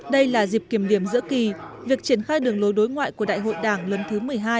đây là dịp kiểm điểm giữa kỳ việc triển khai đường lối đối ngoại của đại hội đảng lần thứ một mươi hai